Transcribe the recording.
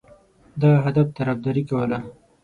دغه هدف طرفداري کوله.